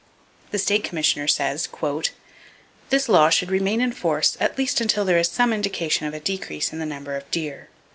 The State Commissioner says: "This law should remain in force at least until there is some indication of a decrease in the number of deer."